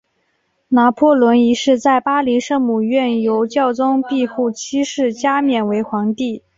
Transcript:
拿破仑一世在巴黎圣母院由教宗庇护七世加冕为皇帝。